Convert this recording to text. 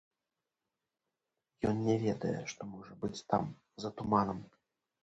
Ён не ведае, што можа быць там, за туманам.